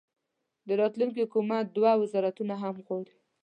د راتلونکي حکومت دوه وزارتونه هم غواړي.